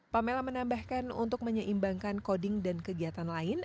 pamela menambahkan untuk menyeimbangkan coding dan kegiatan lain